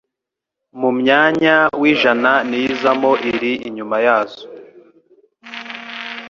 mumyanya w'ijana ntizamo iri inyuma yazo.